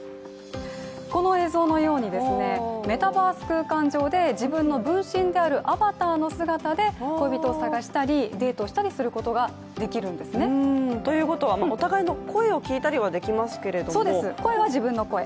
この映像のようにメタバース空間上で自分の分身であるアバターの姿で恋人を探したりデートをしたりすることができるんですね。ということはお互いの声を聞いたりはできますけれども、自分の声。